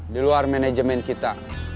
di luar manajemen kita